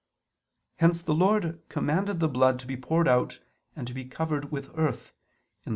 Hence the Lord commanded the blood to be poured out and to be covered with earth (Lev.